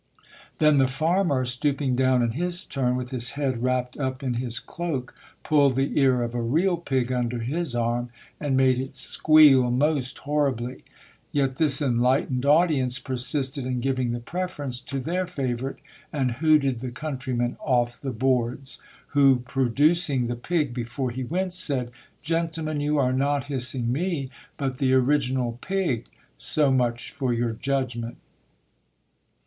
Then the farmer stooping down in his turn, with his head wrapped up in his cloak, pulled the ear of a real pig under his arm, and made it squeal most hor ribly. Yet this enlightened audience persisted in giving the preference to their favourite, and hooted the countryman off the boards ; who producing the pig before he went, said — Gentlemen, you are not hissing me, but the original pig. So much for your judgment.